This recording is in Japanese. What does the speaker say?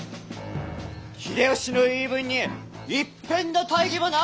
秀吉の言い分に一片の大義もなし！